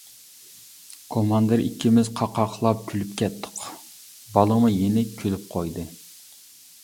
كوماندىر ئىككىمىز قاقاقلاپ كۈلۈپ كەتتۇق، بالىمۇ يېنىك كۈلۈپ قويدى.